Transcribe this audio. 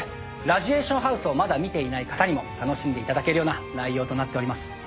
『ラジエーションハウス』をまだ見ていない方にも楽しんでいただけるような内容となっております。